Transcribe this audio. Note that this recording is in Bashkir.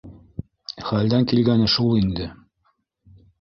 — Хәлдән килгәне шул инде.